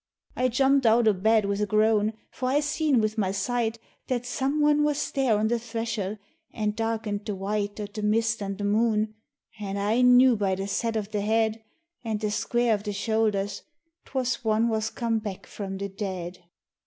I jumped out o' bed wid a groan, for I seen with my sight That someone was there on the thrashel, an' darkened the white O' the mist an' the moon, an' I knew by the set o' the head An' the square o' the shouldhers 'twas one was come back from the dead.